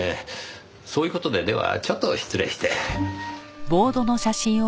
そういう事でではちょっと失礼して。